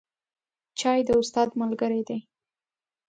چای د استاد ملګری دی